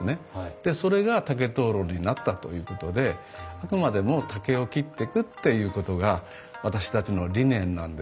でそれが竹灯籠になったということであくまでも竹を切ってくっていうことが私たちの理念なんです。